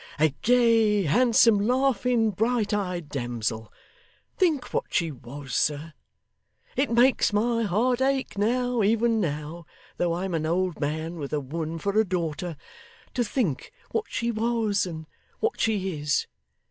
A gay, handsome, laughing, bright eyed damsel! Think what she was, sir. It makes my heart ache now, even now, though I'm an old man, with a woman for a daughter, to think what she was and what she is.